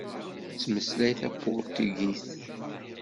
Tettmeslay tapuṛtugit.